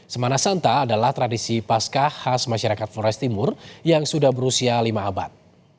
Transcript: semana santa adalah tradisi paskah khas masyarakat flores timur yang sudah berusia lima abad